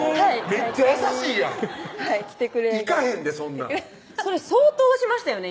めっちゃ優しいやんはい行かへんでそんなんそれ相当押しましたよね